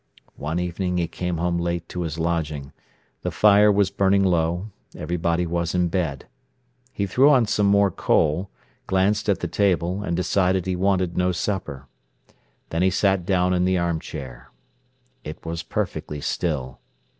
One evening he came home late to his lodging. The fire was burning low; everybody was in bed. He threw on some more coal, glanced at the table, and decided he wanted no supper. Then he sat down in the arm chair. It was perfectly still.